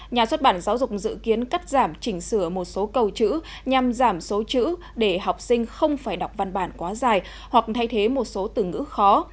nhà xuất bản giáo dục dự kiến cắt giảm chỉnh sửa một số câu chữ nhằm giảm số chữ để học sinh không phải đọc văn bản quá dài hoặc thay thế một số từ ngữ khó